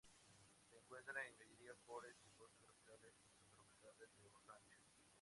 Se encuentra en gallery forest y Bosques tropicales y subtropicales de hoja ancha.